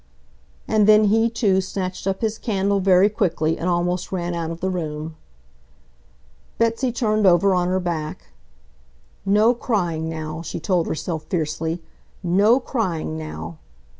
And then he too snatched up his candle very quickly and almost ran out of the room. Betsy turned over on her back. "No crying, now!" she told herself fiercely. "No crying, now!"